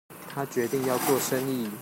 他決定要做生意